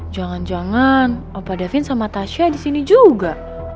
jangan jangan opa davin sama tasya disini juga